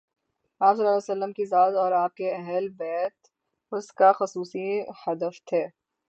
آپﷺ کی ذات اور آپ کے اہل بیت اس کاخصوصی ہدف تھے۔